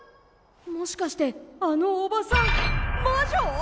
もしかしてあのおばさん魔女？